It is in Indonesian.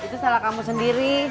itu salah kamu sendiri